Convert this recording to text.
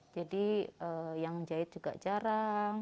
jadi yang jahit juga jarak